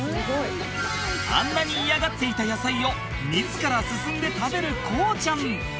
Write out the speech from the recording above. あんなに嫌がっていた野菜を自ら進んで食べる航ちゃん。